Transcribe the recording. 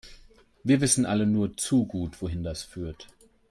Wir wissen alle nur zu gut, wohin das führt.